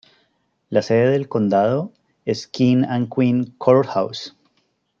La sede del condado es King and Queen Court House.